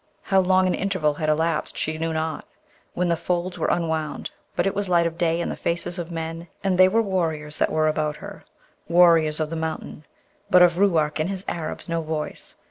How long an interval had elapsed she knew not, when the folds were unwound; but it was light of day, and the faces of men, and they were warriors that were about her, warriors of the mountain; but of Ruark and his Arabs no voice.